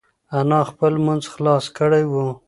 انا خپل لمونځ خلاص کړی و.